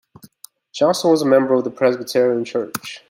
Johnson was a member of the Presbyterian church.